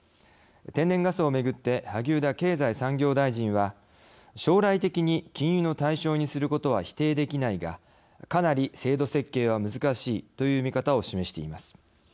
天然ガスを巡って萩生田経済産業大臣は将来的に禁輸の対象にすることは否定できないがかなり制度設計は難しいという見方を示しています。